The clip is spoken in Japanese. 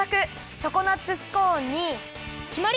チョコナッツスコーンにきまり！